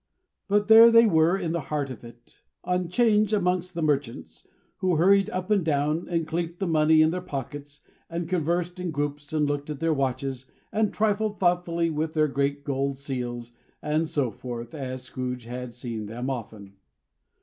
But there they were in the heart of it; on 'Change, amongst the merchants; who hurried up and down, and chinked the money in their pockets, and conversed in groups, and looked at their watches, and trifled thoughtfully with their great gold seals; and so forth, as Scrooge had seen them often.